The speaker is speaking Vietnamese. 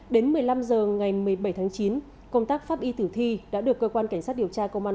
đến một mươi năm h ngày một mươi bảy tháng chín công tác pháp y tử thi đã được cơ quan cảnh sát điều tra công an